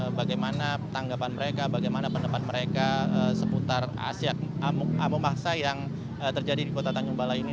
tentang bagaimana tanggapan mereka bagaimana pendapat mereka seputar asyik amok amok maksa yang terjadi di kota tanjung balai ini